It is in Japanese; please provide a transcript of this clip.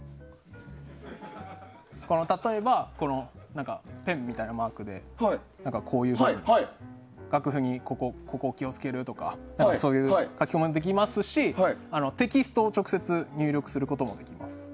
例えば、ペンみたいなマークで楽譜に、ここを気を付けるとか書き込みもできますしテキストを直接入力することもできます。